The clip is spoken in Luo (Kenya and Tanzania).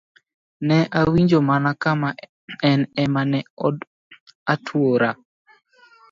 Ne awinjo mana kama an ema ne atwora.